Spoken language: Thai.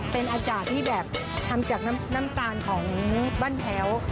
เป็นอาจารย์ที่แบบทำจากน้ำตาลของบ้านแพ้ว